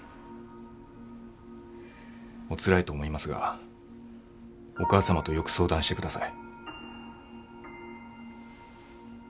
おつらいと思いますがお母さまとよく相談してください。